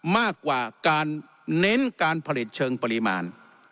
มากกว่าการเน้นการผลิตเชิงปริมาณ